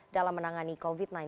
dalam menangani covid sembilan belas